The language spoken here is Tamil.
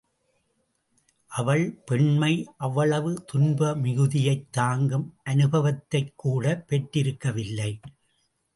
அவள் பெண்மை அவ்வளவு துன்ப மிகுதியைத் தாங்கும் அனுபவத்தைக்கூடப் பெற்றிருக்கவில்லை.